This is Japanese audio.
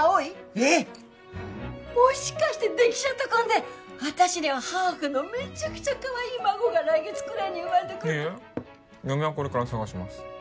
えっもしかしてできちゃった婚で私にはハーフのメチャクチャかわいい孫が来月くらいに生まれてくるいえいえ嫁はこれから探します